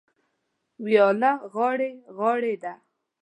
وياله غاړې غاړې ده.